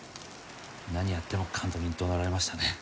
何やっても監督に怒鳴られましたね